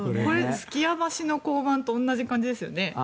数寄屋橋の交番と同じ感じですよね。